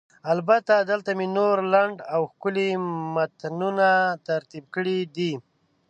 البته، دلته مې نور لنډ او ښکلي متنونه ترتیب کړي دي: